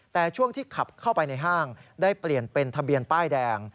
แต่ช่วงที่ขับเข้าไปในห้างได้เปลี่ยนเป็นทะเบียนป้ายแดง